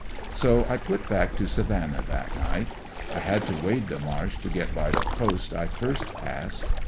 So I put back to Savannah that night. I had to wade the marsh to get by the post I first passed.